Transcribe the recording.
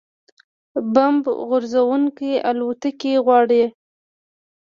بمب غورځوونکې الوتکې غواړي